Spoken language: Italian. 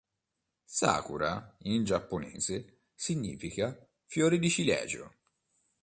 Sakura in giapponese significa "fiori di ciliegio".